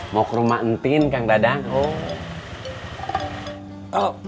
mau ke rumah n ornament carved